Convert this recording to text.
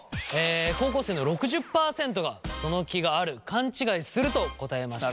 高校生の６０％がその気がある勘違いすると答えました。